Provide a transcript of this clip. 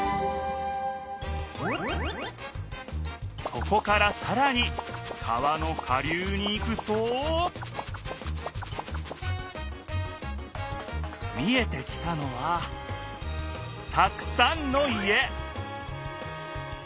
そこからさらに川の下流に行くと見えてきたのはたくさんの家！